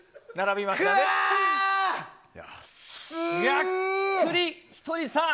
がっくり、ひとりさん。